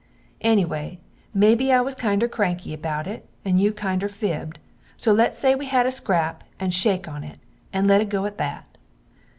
Ennyway mebbe I was kinder cranky about it, and you kinder fibbd, so lets say we had a scrap and shake on it and let it go at that.